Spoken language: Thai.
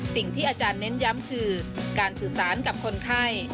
สิ่งที่อาจารย์เน้นย้ำคือการสื่อสารกับคนไข้